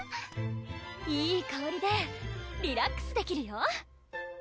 いいかおりでリラックスできるよ！